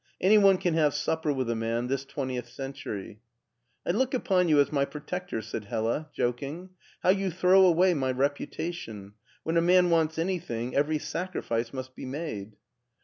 '' Any one can have supper with a man this twentieth century." " I look upon you as my protector," said Hella, jok ing. " How you throw away my reputation ! When a man wants anything every sacrifice must be made!"